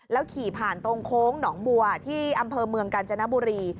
ขี่ผ่านตรงโค้งหนองบัวที่อำเภอเมืองกาญจนบุรี